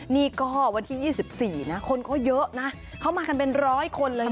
นี่ก็วันที่๒๔นะคนก็เยอะนะเขามากันเป็นร้อยคนเลย